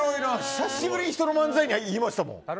久しぶりに人の漫才で言いましたもん。